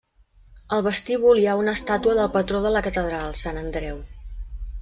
Al vestíbul hi ha una estàtua del patró de la catedral, Sant Andreu.